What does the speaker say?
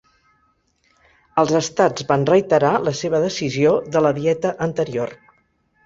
Els estats van reiterar la seva decisió de la dieta anterior.